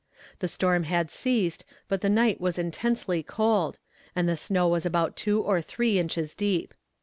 The storm had ceased, but the night was intensely cold, and the snow was about two or three inches deep.